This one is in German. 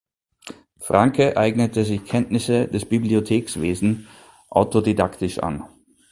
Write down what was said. Francke eignete sich Kenntnisse des Bibliothekswesen autodidaktisch an.